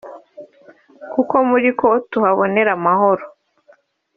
kuko muri kwo tuhabonera amahoro